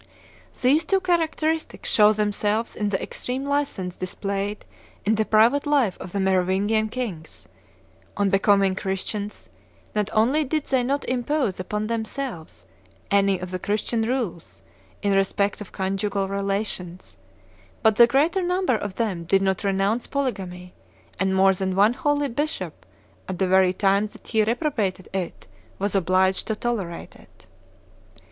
These two characteristics show themselves in the extreme license displayed in the private life of the Merovingian kings: on becoming Christians, not only did they not impose upon themselves any of the Christian rules in respect of conjugal relations, but the greater number of them did not renounce polygamy, and more than one holy bishop, at the very time that he reprobated it, was obliged to tolerate it.